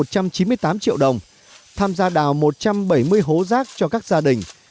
tổng chiều dài gần chín mươi tám triệu đồng tham gia đào một trăm bảy mươi hố rác cho các gia đình